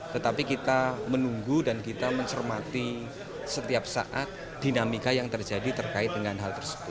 tetapi kita menunggu dan kita mencermati setiap saat dinamika yang terjadi terkait dengan hal tersebut